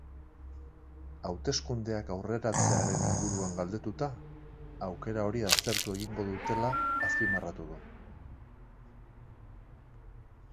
Hauteskundeak aurreratzearen inguruan galdetuta, aukera hori aztertu egingo dutela azpimarratu du.